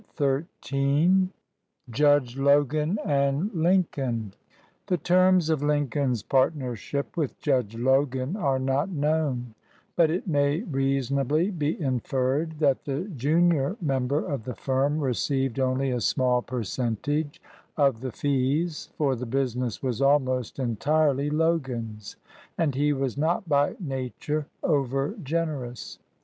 123 XIII JUDGE LOGAN AND LINCOLN THE terms of Lincoln's partnership with Judge Logan are not known, hut it may reasonably be inferred that the junior member of the firm received only a small percentage of the fees, for the business was almost entirely Logan's, and he was not by nature over generous.